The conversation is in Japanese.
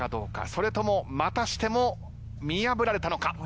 それともまたしても見破られたのか。